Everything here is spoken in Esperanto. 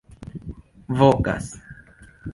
vokas